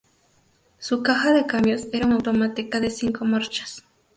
Su caja de cambios era una automática de cinco marchas.